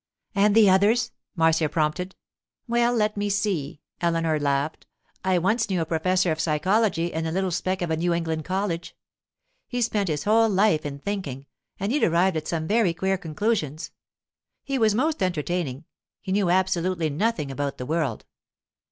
'And the others?' Marcia prompted. 'Well, let me see,' Eleanor laughed. 'I once knew a professor of psychology in a little speck of a New England college. He spent his whole life in thinking, and he'd arrived at some very queer conclusions. He was most entertaining—he knew absolutely nothing about the world.